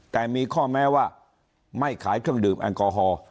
แต่มีข้อแม้ว่าไม่ขายเครื่องดื่มแอลกอฮอล์